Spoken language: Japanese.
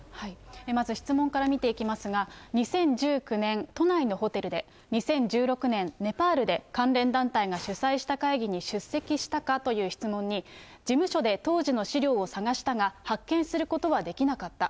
まず質問から見ていきますが、２０１９年、都内のホテルで、２０１６年、ネパールで、関連団体が主催した会議に出席したかという質問に、事務所で当時の資料を探したが発見することはできなかった。